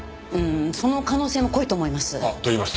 その可能性も濃いと思います。